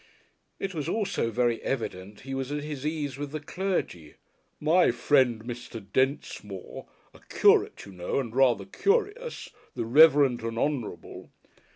It was also very evident he was at his ease with the clergy; "My friend, Mr. Densemore a curate, you know, and rather curious, the Reverend and Honourable."